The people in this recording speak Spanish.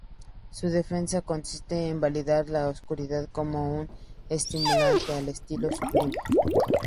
Su defensa consiste en validar la oscuridad como un estimulante al estilo sublime.